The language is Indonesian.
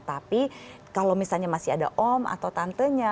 tapi kalau misalnya masih ada om atau tantenya